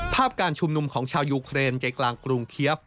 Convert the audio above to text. การชุมนุมของชาวยูเครนใจกลางกรุงเคียฟ